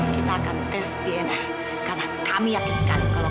dia kesini cuma mau beli kue aja